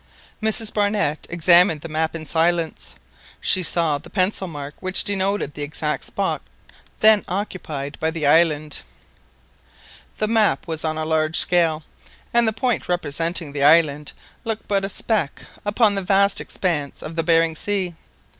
Mrs Barnett examined the map in silence. She saw the pencil mark which denoted the exact spot then occupied by the island. The map was made on a large scale, and the point representing the island looked but a speck upon the vast expanse of the Behring Sea.